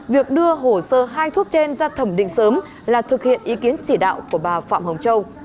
việc đưa hồ sơ hai thuốc trên ra thẩm định sớm là thực hiện ý kiến chỉ đạo của bà phạm hồng châu